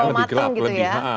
kalau matang gitu ya